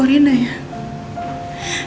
terima kasih halo